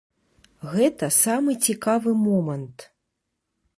Гэта самы цікавы момант.